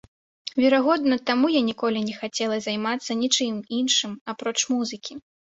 Верагодна, таму я ніколі не хацела займацца нічым іншым апроч музыкі.